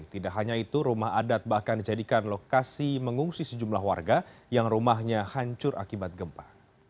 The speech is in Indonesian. tidak hanya itu rumah adat bahkan dijadikan lokasi mengungsi sejumlah warga yang rumahnya hancur akibat gempa